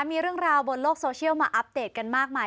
มีเรื่องราวบนโลกโซเชียลมาอัปเดตกันมากมาย